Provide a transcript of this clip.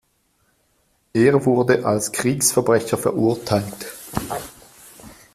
Er wurde als Kriegsverbrecher verurteilt.